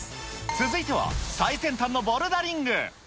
続いては、最先端のボルダリング。